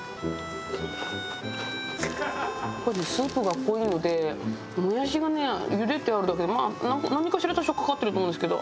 スープが濃いのでもやしがねゆでてあるだけまあ何かしら多少かかってると思うんですけど。